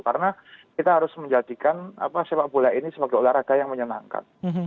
karena kita harus menjadikan sepak bola ini sebagai olahraga yang menyenangkan